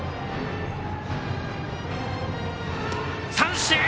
三振！